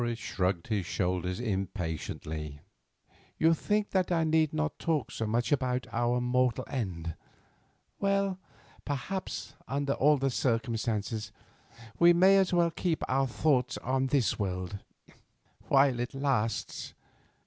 Morris shrugged his shoulders impatiently. "You think that I need not talk so much about our mortal end. Well, perhaps under all the circumstances, we may as well keep our thoughts on this world—while it lasts.